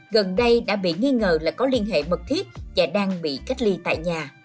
gần đây đã bị nghi ngờ là có liên hệ mật thiết và đang bị cách ly tại nhà